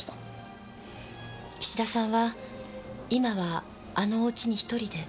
岸田さんは今はあのお家に１人で？